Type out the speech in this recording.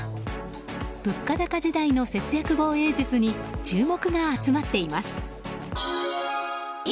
物価高時代の節約防衛術に注目が集まっています。